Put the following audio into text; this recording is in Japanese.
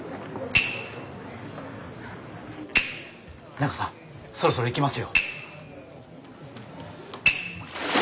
中さんそろそろ行きますよ。